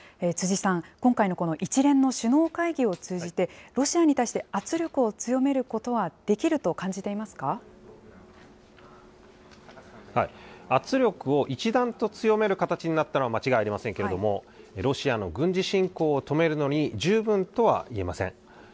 辻さん、今回のこの一連の首脳会議を通じて、ロシアに対して、圧力を強めることはできると感じて圧力を一段と強める形になったのは間違いありませんけれども、ロシアの軍事侵攻を止めるのに十分とはいえません。